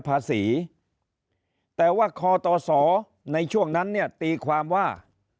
ภาษีแต่ว่าคอตสในช่วงนั้นเนี่ยตีความว่า